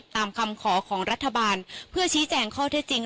ตามคำขอของรัฐบาลเพื่อชี้แจงข้อเท็จจริง